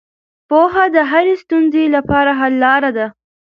پوهه د هرې ستونزې لپاره حل لاره ده.